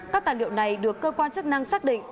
các tài liệu này được cơ quan chức năng xác định